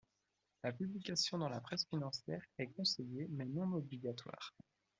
La publication dans la presse financière est conseillée mais non obligatoire.